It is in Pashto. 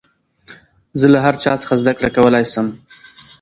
زه له هر چا څخه زدکړه کولاى سم.